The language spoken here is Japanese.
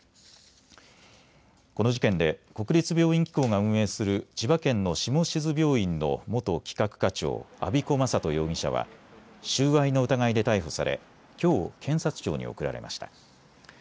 この事件で国立病院機構が運営する千葉県の下志津病院の元企画課長、安彦昌人容疑者は収賄の疑いで逮捕されきょう検察庁に送られました。